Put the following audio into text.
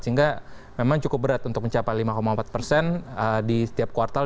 sehingga memang cukup berat untuk mencapai lima empat persen di setiap kuartal